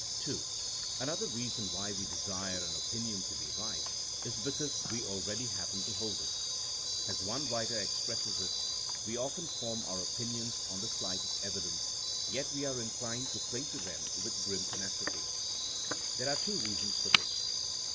(2) Another reason why we desire an opin ion to be right is because we already happen to hold it. As one writer expresses it, *^We often form our opinions on the slightest evi 108 THINEINO AS A SOIENOE dence, yet we are inclined to cling to them with grim tenacity/* There are two reasons for this.